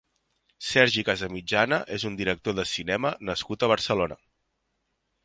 Sergi Casamitjana és un director de cinema nascut a Barcelona.